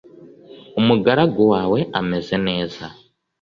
Umugaragu wawe ameze neza